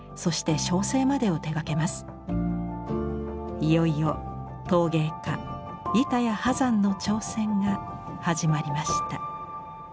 いよいよ陶芸家板谷波山の挑戦が始まりました。